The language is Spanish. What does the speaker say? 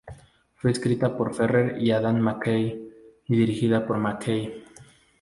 Fue escrita por Ferrell y Adam McKay, y dirigida por McKay.